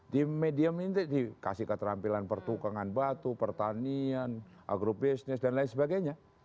di medium ini dikasih keterampilan pertukangan batu pertanian agrobisnis dan lain sebagainya